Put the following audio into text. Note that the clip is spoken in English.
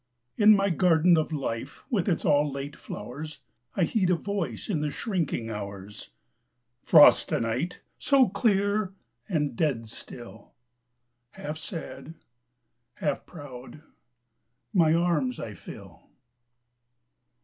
.... .In my garden of Life with its all late flowersI heed a Voice in the shrinking hours:"Frost to night—so clear and dead still" …Half sad, half proud, my arms I fill.